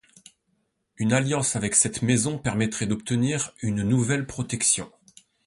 Une alliance avec cette maison permettrait d'obtenir une nouvelle protection.